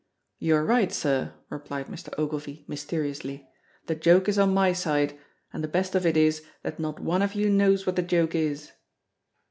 "You are right, sir," replied Mr. Ogilvy, mysteriously, "the joke is on my side, and the best of it is that not one of you knows what the joke is!"